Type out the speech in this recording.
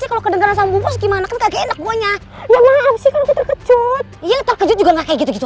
sih kalau kedengaran sama bukas gimana kaget enak punya ya maaf sih terkejut juga kayak gitu